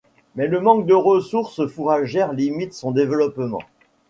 Mais le manque de ressources fourragères limite son développement.